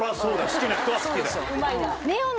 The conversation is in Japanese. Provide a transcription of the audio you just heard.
好きな人は好きだよ。